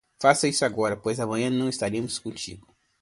Faça isso agora, pois amanhã não estaremos contigo.